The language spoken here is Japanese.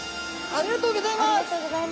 ありがとうございます。